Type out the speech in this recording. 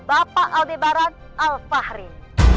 bapak aldebaran al fahrin